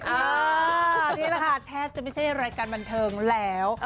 นี่แหละค่ะแทบจะไม่ใช่รายการบันเทิงแล้ว